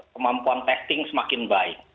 kemampuan testing semakin baik